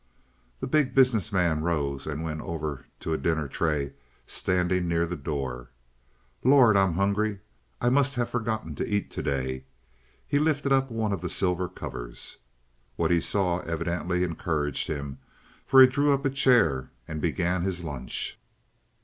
The Big Business Man rose and went over to a dinner tray, standing near the door. "Lord, I'm hungry. I must have forgotten to eat to day." He lifted up one of the silver covers. What he saw evidently encouraged him, for he drew up a chair and began his lunch.